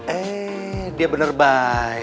eh dia bener baik